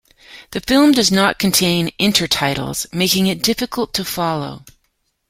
The film does not contain intertitles, making it difficult to follow.